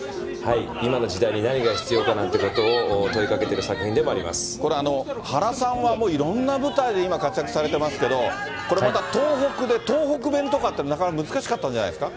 今の時代に何が必要かなんてことこれ、原さんはもういろんな舞台で今、活躍されてますけど、これまた東北で、東北弁とかってなかなか難しかったんじゃないですか。